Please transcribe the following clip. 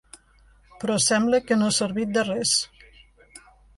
Però sembla que no ha servit de res.